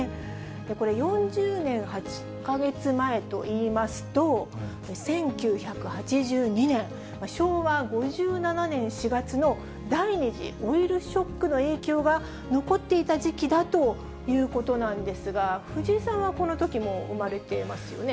これ、４０年８か月前といいますと、１９８２年・昭和５７年４月の第２次オイルショックの影響が残っていた時期だということなんですが、藤井さんはこのときもう生まれてますよね。